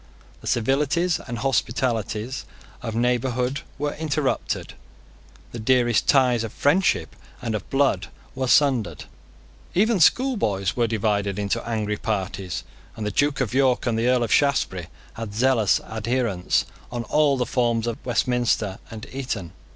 The civilities and hospitalities of neighbourhood were interrupted. The dearest ties of friendship and of blood were sundered. Even schoolboys were divided into angry parties; and the Duke of York and the Earl of Shaftesbury had zealous adherents on all the forms of Westminster and Eton.